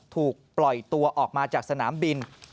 ถูกปล่อยตัวออกมาจากสนามบิน